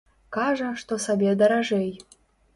Кажа, што сабе даражэй.